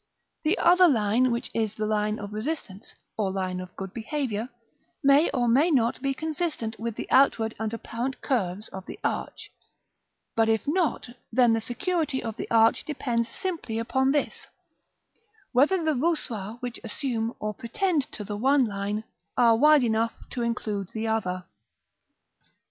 The other line, which is the line of resistance, or line of good behavior, may or may not be consistent with the outward and apparent curves of the arch; but if not, then the security of the arch depends simply upon this, whether the voussoirs which assume or pretend to the one line are wide enough to include the other.